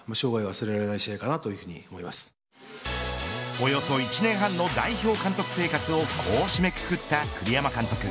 およそ１年半の代表監督生活をこう締めくくった栗山監督。